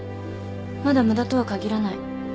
まだ無駄とは限らない。